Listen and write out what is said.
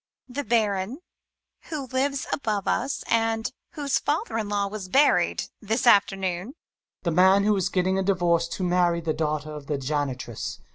MuMMT. The Baron — ^he who lives above us, and whose father in law was buried this afternoon HxTMMEii. The man who is getting a divorce to marry the daughter of the Janitress.